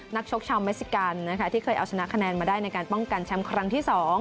ชกชาวเมซิกันนะคะที่เคยเอาชนะคะแนนมาได้ในการป้องกันแชมป์ครั้งที่๒